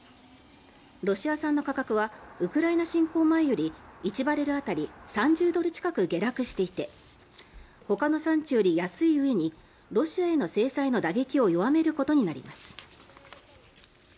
ロシア産の価格はウクライナ侵攻前より１バレル当たり３０ドル近く下落していてほかの産地より安いうえにロシアへの制裁の打撃を弱めることになります。